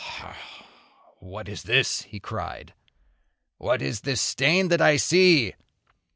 "Ha! what is this?" he cried, "what is this stain that I see!"